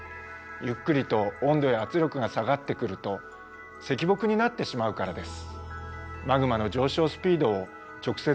ゆっくりと温度や圧力が下がってくると石墨になってしまうからです。